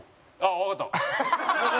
わかった！